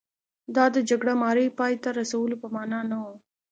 دا د جګړه مارۍ پای ته رسولو په معنا نه و.